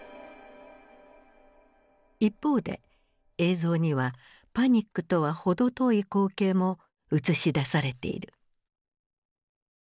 一方で映像にはパニックとは程遠い光景も映し出されている。